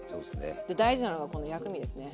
で大事なのはこの薬味ですね。